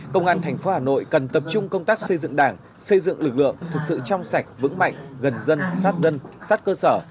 công an thành phố hà nội cần tập trung công tác xây dựng đảng xây dựng lực lượng thực sự trong sạch vững mạnh gần dân sát dân sát cơ sở